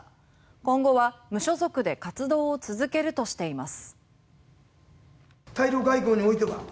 今後は無所属で活動を続けるとしています。